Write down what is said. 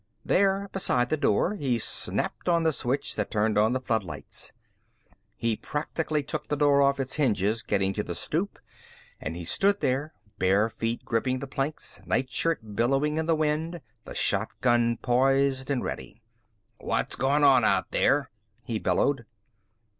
There, beside the door, he snapped on the switch that turned on the floodlights. He practically took the door off its hinges getting to the stoop and he stood there, bare feet gripping the planks, nightshirt billowing in the wind, the shotgun poised and ready. "What's going on out there?" he bellowed.